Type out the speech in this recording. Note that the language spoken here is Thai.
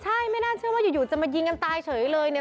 ใช่ไม่น่าเชื่อว่าอยู่จะมายิงกันตายเฉยเลยเนี่ย